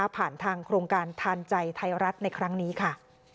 ผ่านทางโครงการทานใจไทยรัฐในครั้งนี้ค่ะ